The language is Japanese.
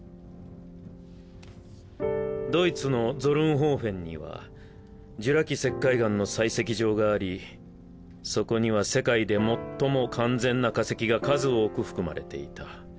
ドイツのゾルンホーフェンにはジュラ紀石灰岩の採石場がありそこには世界で最も完全な化石が数多く含まれていた。